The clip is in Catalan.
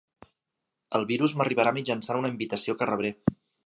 El virus m'arribarà mitjançant una invitació que rebré.